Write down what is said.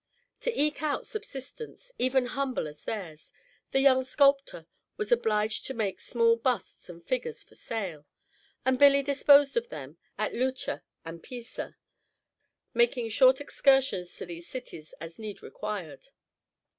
To eke out subsistence, even humble as theirs, the young sculptor was obliged to make small busts and figures for sale, and Billy disposed of them at Lucca and Pisa, making short excursions to these cities as need required.